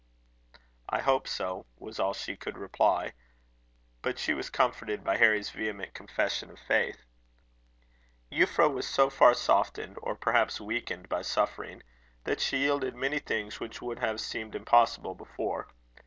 "I hope so," was all she could reply; but she was comforted by Harry's vehement confession of faith. Euphra was so far softened, or perhaps weakened, by suffering, that she yielded many things which would have seemed impossible before.